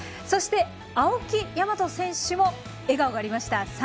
そして、青木大和選手も笑顔がありました。